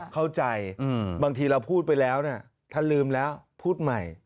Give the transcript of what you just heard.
เข้าใจบางทีเราพูดไปแล้วถ้าลืมแล้วพูดใหม่